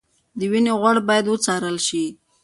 د وینې غوړ باید وڅارل شي.